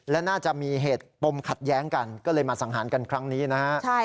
และน่าจะมีเหตุปมขัดแย้งกันก็เลยมาสังหารกันครั้งนี้นะฮะ